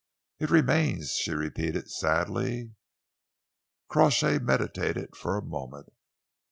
"It remains," she repeated sadly. Crawshay meditated for a moment.